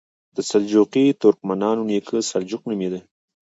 د سلجوقي ترکمنانو نیکه سلجوق نومېده.